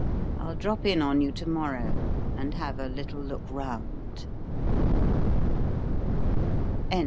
I'll drop in on you to morrow and have a little look round."